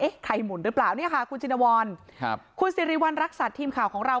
ใครหมุนหรือเปล่าเนี่ยค่ะคุณชินวรครับคุณสิริวัณรักษัตริย์ทีมข่าวของเรา